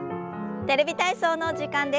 「テレビ体操」の時間です。